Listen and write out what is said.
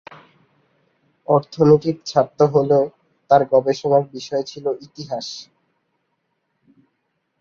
অর্থনীতির ছাত্র হলেও তার গবেষণার বিষয় ছিল ইতিহাস।